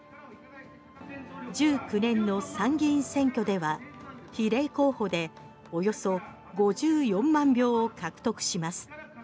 １９年の参議院選挙では比例候補でおよそ５４万票を獲得します。